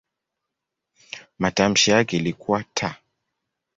Matamshi yake ilikuwa "t".